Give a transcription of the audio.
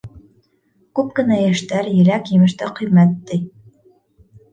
— Күп кенә йәштәр еләк-емеште ҡиммәт ти.